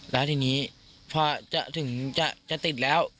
แล้วทีนี้พอจะถึงจะติดแล้ว